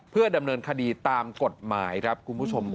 เพื่อดำเนินคดีตามกฎหมายครับคุณผู้ชม